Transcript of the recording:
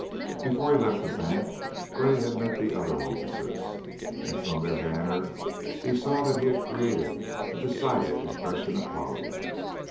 Before he left the bank Gray had met the other officers, and from their manner he saw that he had created a decided impression upon them.